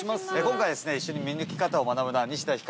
今回ですね一緒に見抜き方を学ぶのは。